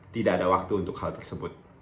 tidak ada waktu untuk hal tersebut